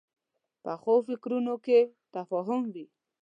پخو فکرونو کې تفاهم وي